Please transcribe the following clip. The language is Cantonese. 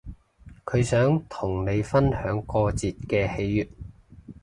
佢想同你分享過節嘅喜悅